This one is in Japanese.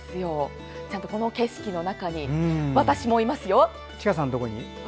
この景色の中に私もいますよ。